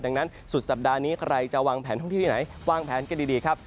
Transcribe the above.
ดังนั้นสุดสัปดาห์นี้ใครจะวางแผนท่องเที่ยวที่ไหนวางแผนกันดีครับ